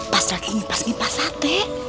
pasrah ingin pas mi pas ate